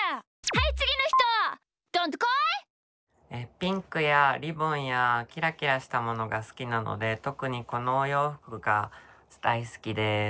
ピンクやリボンやキラキラしたものがすきなのでとくにこのおようふくがだいすきです。